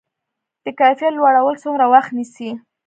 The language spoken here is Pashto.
د کیفیت لوړول څومره وخت نیسي؟